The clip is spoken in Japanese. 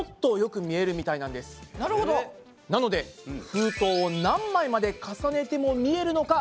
なので封筒を何枚まで重ねても見えるのか